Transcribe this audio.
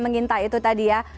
mengintai itu tadi ya